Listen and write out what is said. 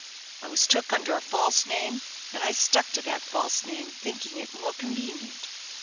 I was took under a false name, and I stuck to that false name, thinking it more convenient.